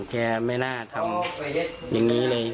แกไม่น่าทำอย่างนี้เลย